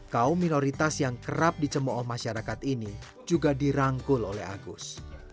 kaum minoritas yang kerap dicemooh masyarakat ini juga dirangkul oleh agus